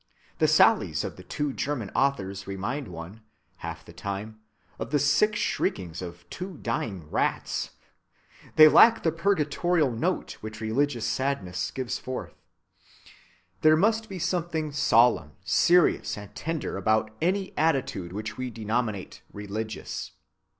The sallies of the two German authors remind one, half the time, of the sick shriekings of two dying rats. They lack the purgatorial note which religious sadness gives forth. There must be something solemn, serious, and tender about any attitude which we denominate religious.